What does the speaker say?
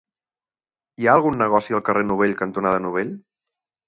Hi ha algun negoci al carrer Novell cantonada Novell?